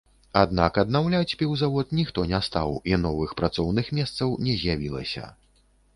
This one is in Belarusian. Аднак аднаўляць піўзавод ніхто не стаў, і новых працоўных месцаў не з'явілася.